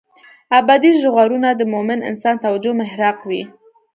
ابدي ژغورنه د مومن انسان توجه محراق وي.